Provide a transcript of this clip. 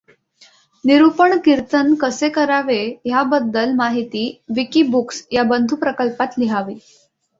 निरूपण कीर्तन कसे करावे याबद्दल माहिती विकिबुक्स या बंधुप्रकल्पात लिहावी.